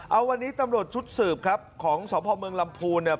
เอาวันนี้ตำรวจชุดสืบครับของสพเมืองลำพูนเนี่ย